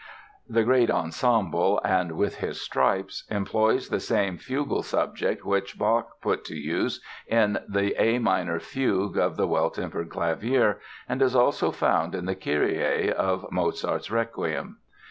The great ensemble, "And with His Stripes", employs the same fugal subject which Bach put to use in the A minor fugue of the "Well Tempered Clavier" and is also found in the Kyrie of Mozart's "Requiem."